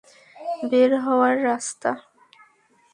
বের হওয়ার রাস্তা?